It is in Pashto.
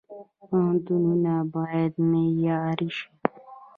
پوهنتونونه باید معیاري شي